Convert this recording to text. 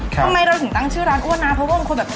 ทำไมเราถึงตั้งชื่อร้านอ้วนนะเพราะว่าบางคนแบบ